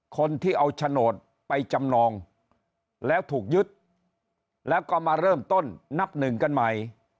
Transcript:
คนที่เอาโฉนดไปจำนองแล้วถูกยึดแล้วก็มาเริ่มต้นนับหนึ่งกันใหม่